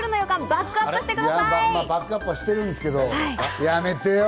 バックアップはしてるんですけど、やめてよ。